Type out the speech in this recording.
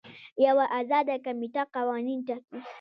یوه ازاده کمیټه قوانین ټاکي.